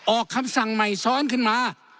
ออกคำสั่งใหม่ซ้อนขึ้นมา